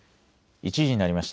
１時になりました。